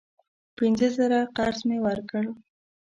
پینځه زره قرض مې ورکړ.